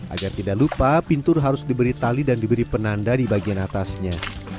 agar tidak lupa pintur harus diberi tali dan diberi penanda di bagian atasnya